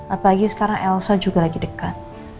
apalagi sekarang elsa juga lagi dekat